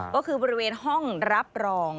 ก็คือบริเวณห้องรับรอง